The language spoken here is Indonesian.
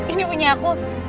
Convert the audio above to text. ini punya aku